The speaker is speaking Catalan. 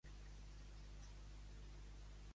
A quin poder s'assemblava d'Atenes?